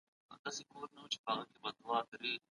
سياست د نورو ټولنيزو علومو څخه بېل دی.